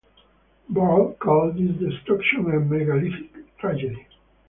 Burl called this destruction "a megalithic tragedy".